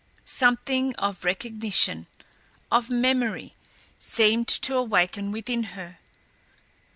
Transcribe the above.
Something of recognition, of memory, seemed to awaken within her.